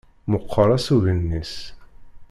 Meqqer asugen-is.